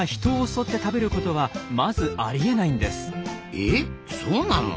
えそうなの？